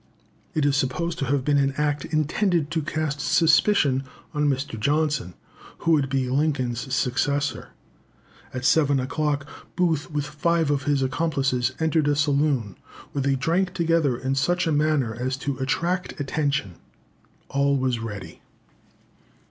It is supposed to have been an act intended to cast suspicion upon Mr. Johnson, who would be Lincoln's successor. At seven o'clock, Booth, with five of his accomplices, entered a saloon, where they drank together in such a manner as to attract attention. All was ready.